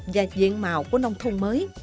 và diện mạo của nông thôn mới